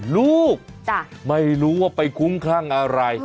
ลูกไม่รู้ว่าไปคุ้มคลั่งอะไร